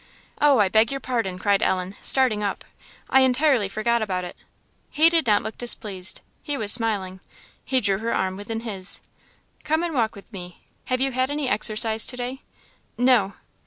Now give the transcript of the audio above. "Oh, I beg your pardon!" cried Ellen, starting up. "I entirely forgot about it!" He did not look displeased; he was smiling. He drew her arm within his. "Come and walk with me. Have you had any exercise to day?" "No."